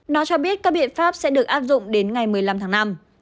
nó cho biết các biện pháp sẽ được áp dụng đến ngày một mươi năm tháng năm